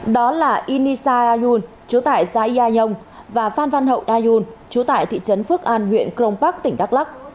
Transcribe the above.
đó là inisa ayun chú tại giai yai nhong và phan phan hậu ayun chú tại thị trấn phước an huyện krong pak tỉnh đắk lắc